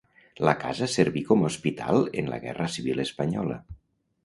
La casa serví com a hospital en la Guerra Civil Espanyola.